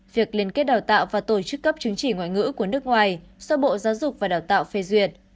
việc liên kết đào tạo và tổ chức cấp chứng chỉ ngoại ngữ của nước ngoài do bộ giáo dục và đào tạo phê duyệt